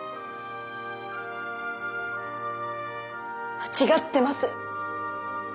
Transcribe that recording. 間違ってます。